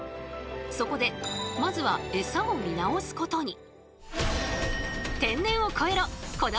そこでまずはエサを見直すことに。